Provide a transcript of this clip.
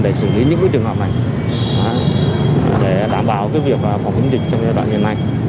để xử lý những trường hợp này để đảm bảo việc phòng chống dịch trong giai đoạn hiện nay